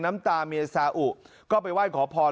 น้ำตาเมียซาอุก็ไปไหว้ขอพร